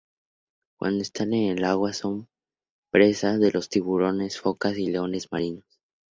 Cuando están en el agua, son presa de los tiburones, focas y leones marinos.